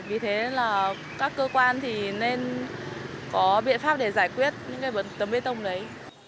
vì thế là các cơ quan thì nên có biện pháp để giải quyết những cái tấm bê tông đấy